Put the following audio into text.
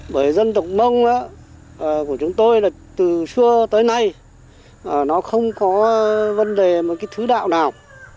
bởi dân tộc mông của chúng tôi là từ xưa tới nay nó không có vấn đề một cái thứ đạo nào